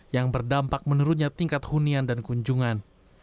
yang berdampak menurunnya tingkat hunian dan kunjungan